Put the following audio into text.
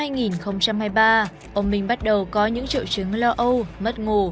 ông minh bắt đầu có những triệu chứng lo âu mất ngủ